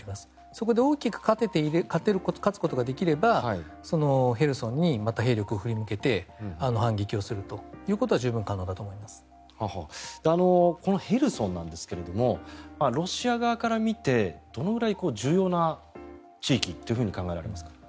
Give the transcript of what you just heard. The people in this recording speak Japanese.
そこで大きく勝つことができればヘルソンにまた兵力を振り向けて反撃をするということはこのヘルソンなんですがロシア側から見てどのぐらい重要な地域と考えられますか？